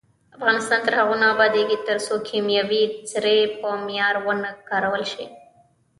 افغانستان تر هغو نه ابادیږي، ترڅو کیمیاوي سرې په معیار ونه کارول شي.